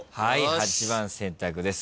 ８番選択です。